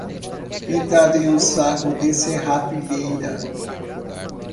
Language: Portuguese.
Pintado em um saco de serapilheira